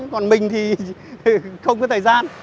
còn mình thì không có thời gian